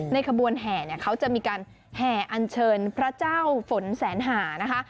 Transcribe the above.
ในขบวนแห่เขาจะมีการแห่อัญเชิญพระเจ้าฝนแสนหา